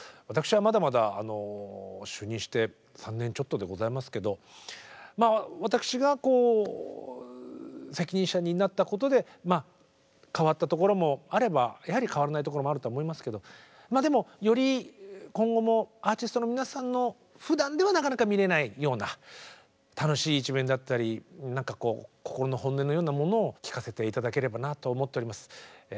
私はまだまだ就任して３年ちょっとでございますけどまあ私が責任者になったことで変わったところもあればやはり変わらないところもあるとは思いますけどまあでもより今後もアーティストの皆さんのふだんではなかなか見れないような楽しい一面だったり何かこう心の本音のようなものを聞かせて頂ければなと思っております。